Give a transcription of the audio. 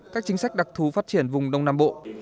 các chính sách đặc thù phát triển vùng đông nam bộ